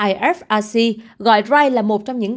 ifrc gọi rai là một trong những